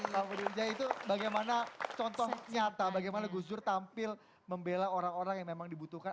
pak budi ujaya itu bagaimana contoh nyata bagaimana gus dur tampil membela orang orang yang memang ingin berhubung